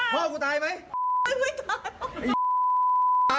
พ่อกูตายไหม